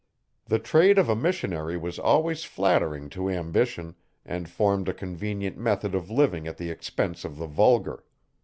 The trade of a missionary was always flattering to ambition, and formed a convenient method of living at the expense of the vulgar.